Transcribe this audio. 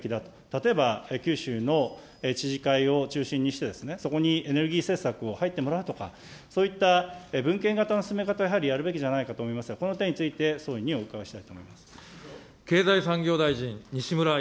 例えば九州の知事会を中心にして、そこにエネルギー政策を入ってもらうとか、そういった分権型の進め方をやはりやるべきじゃないかと思いますが、この点について総理にお伺いしたいと思います。